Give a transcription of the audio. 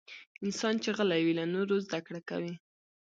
انسان چې غلی وي، له نورو زدکړه کوي.